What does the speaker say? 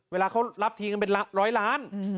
เวลาเขารับทีมกันเป็นร้อยล้าน